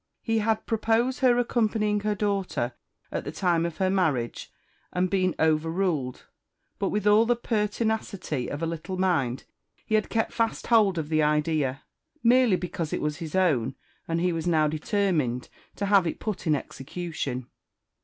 He had propose her accompanying her daughter at the time of her marriage, and been overruled; but with all the pertinacity of a little mind he had kept fast hold of the idea, merely because it was his own, and he was now determined to have it put in execution.